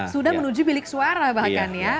sudah menuju bilik suara bahkan ya